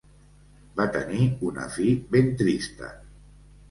Va tenir una fi ben trista.